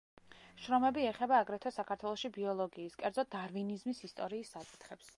შრომები ეხება აგრეთვე საქართველოში ბიოლოგიის, კერძოდ დარვინიზმის ისტორიის საკითხებს.